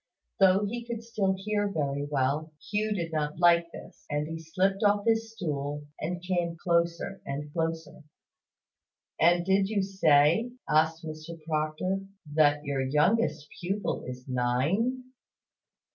Though he could hear very well, Hugh did not like this, and he slipped off his stool, and came closer and closer. "And did you say," asked Mr Proctor, "that your youngest pupil is nine?"